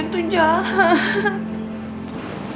dia tuh jahat